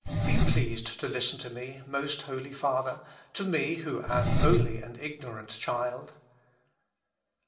Be pleased to listen to me, most Holy Father, to me, who am only an ignorant child."